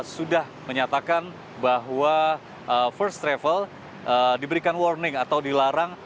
sudah menyatakan bahwa first travel diberikan warning atau dilarang